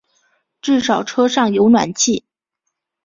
至少车上有暖气